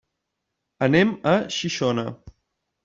Anem a Xixona.